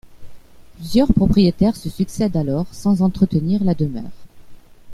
Plusieurs propriétaires se succèdent alors sans entretenir la demeure.